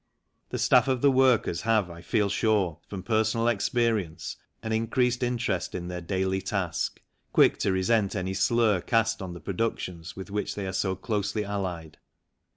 The staff and workers have, I feel sure, from personal experi ence an increased interest in their daily task, quick to resent any slur cast on the productions with which they are so closely allied.